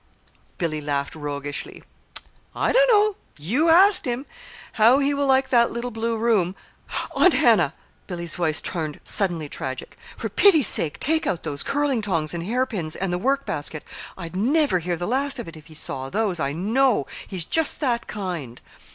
Billy laughed roguishly. "I don't know. You asked him! How he will like that little blue room Aunt Hannah!" Billy's voice turned suddenly tragic. "For pity's sake take out those curling tongs and hairpins, and the work basket. I'd never hear the last of it if he saw those, I know. He's just that kind!"